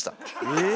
え？